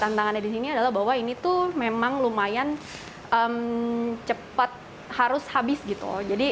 tantangannya di sini adalah bahwa ini tuh memang lumayan cepat harus habis gitu jadi